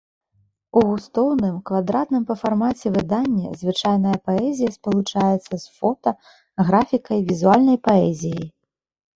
У густоўным, квадратным па фармаце выданні звычайная паэзія спалучаецца з фота, графікай, візуальнай паэзіяй.